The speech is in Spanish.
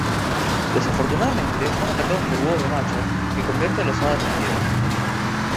Desafortunadamente, son atacados por búhos de Macha que convierte a los hadas en piedra.